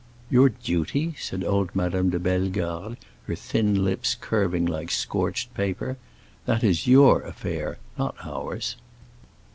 "Your duty?" said old Madame de Bellegarde, her thin lips curving like scorched paper. "That is your affair, not ours."